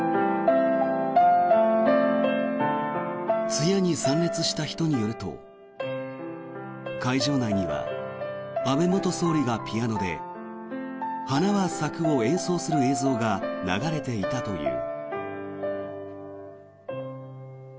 通夜に参列した人によると会場内には安倍元総理がピアノで「花は咲く」を演奏する映像が流れていたという。